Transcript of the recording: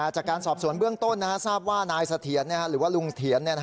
จากการสอบสวนเบื้องต้นทราบว่านายเสถียรหรือว่าลุงเถียน